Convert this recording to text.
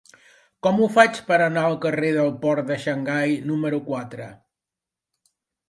Com ho faig per anar al carrer del Port de Xangai número quatre?